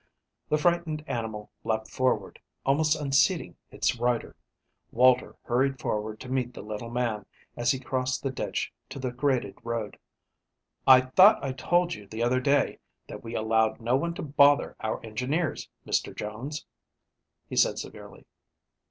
The frightened animal leaped forward, almost unseating its rider. Walter hurried forward to meet the little man, as he crossed the ditch to the graded road. "I thought I told you the other day that we allowed no one to bother our engineers, Mr. Jones," he said severely.